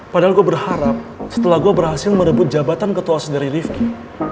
padahal gua berharap setelah gua berhasil merebut jabatan ketua osis dari rifki